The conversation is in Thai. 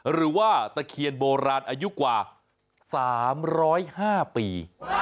หรือว่าตะเคียนโบราณอายุกว่า๓๐๕ปี